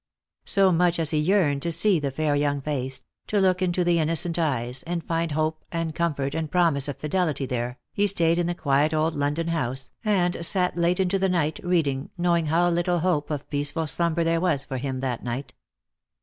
So much as he yearned to see the fair young face, to look into the innocent eyes and find hope and comfort and promise of fidelity there, he stayed in the quiet old London house, and sat late into the night reading, knowing how little hope of peaceful slumber there was for him that night.